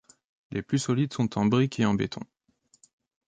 Les plus solides sont en briques et en béton.